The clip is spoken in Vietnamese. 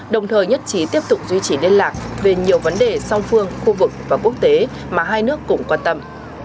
đồng thời nhất trí tiếp tục duy trì liên lạc về nhiều vấn đề song phương khu vực và quốc tế mà hai nước cũng quan tâm